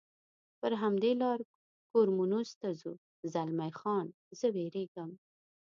پر همدې لار کورمونز ته ځو، زلمی خان: زه وېرېږم.